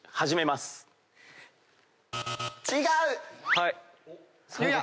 違う！